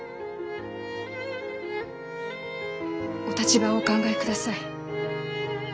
お立場をお考えください。